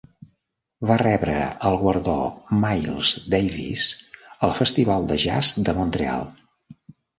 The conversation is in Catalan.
Va rebre el guardó Miles Davis al Festival de Jazz de Montreal.